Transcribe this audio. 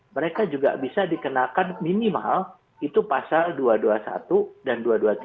mereka juga bisa dikenakan minimal itu pasal dua ratus dua puluh satu dan dua ratus dua puluh tiga